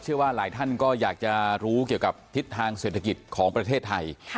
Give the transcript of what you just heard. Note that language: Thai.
เชื่อว่าหลายท่านก็อยากจะรู้เกี่ยวกับทิศทางเศรษฐกิจของประเทศไทย